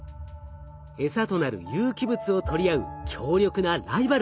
エサとなる有機物を取り合う強力なライバルです。